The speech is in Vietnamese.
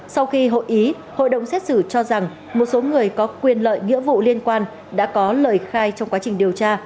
sau khi hội ý hội đồng xét xử cho rằng một số người có quyền lợi nghĩa vụ liên quan đã có lời khai trong quá trình điều tra